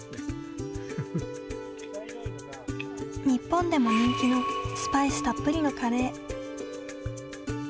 日本でも人気のスパイスたっぷりのカレー。